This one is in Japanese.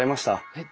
えっ？